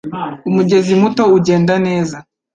Umugezi muto ugenda neza